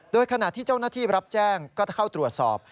โดยขณะที่เจ้าหน้าที่รับแจ้งก็เข้าตรวจสอบ